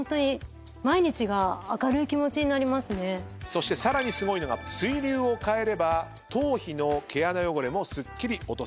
そしてさらにすごいのが水流を変えれば頭皮の毛穴汚れもすっきり落とせると。